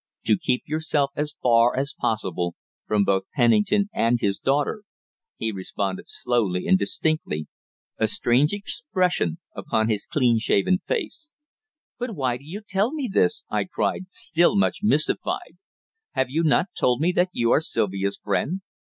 "To keep yourself as far as possible from both Pennington and his daughter," he responded slowly and distinctly, a strange expression upon his clean shaven face. "But why do you tell me this?" I cried, still much mystified. "Have you not told me that you are Sylvia's friend?"